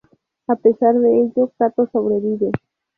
A pesar de ello, Kato sobrevive.